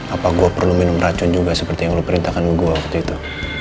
apa gue perlu minum racun juga seperti yang lo perintahkan gue waktu itu